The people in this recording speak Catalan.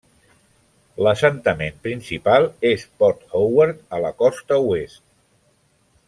L'assentament principal és Port Howard a la costa oest.